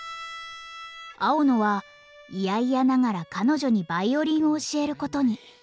青野はいやいやながら彼女にヴァイオリンを教えることに。